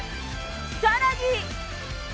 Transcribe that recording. さらに。